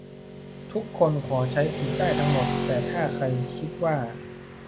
ทุกคนขอใช้สิทธิ์ได้ทั้งหมด แต่ถ้าใครคิดว่า